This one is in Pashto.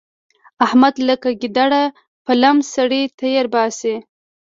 احمد لکه ګيدړه په لم سړی تېرباسي.